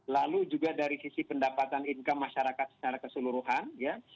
lalu juga dari sisi pendapatan income masyarakat secara keseluruhan ya